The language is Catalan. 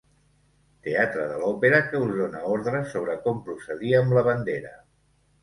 Teatre de l'òpera que us dóna ordres sobre com procedir amb la bandera.